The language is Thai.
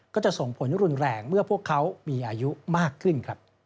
ก็จะส่งผลรุนแรงเมื่อพวกเขามีอายุมากขึ้น